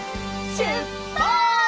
しゅっぱつ！